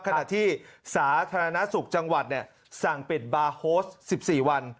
ขณะที่สาธารณสุขจังหวัดสั่งปิดบาร์โฮส๑๔วัน